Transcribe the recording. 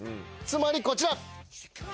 つまりこちら。